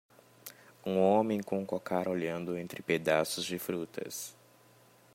Um homem com um cocar olhando entre pedaços de frutas.